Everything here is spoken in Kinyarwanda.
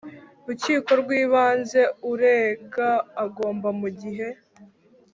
Rukiko rw Ibanze Urega agomba mu gihe